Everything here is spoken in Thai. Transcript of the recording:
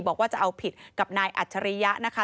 บอกว่าจะเอาผิดกับนายอัธริยา